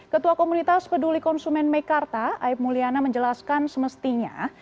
ketua komunitas peduli konsumen mekarta aib mulyana menjelaskan semestinya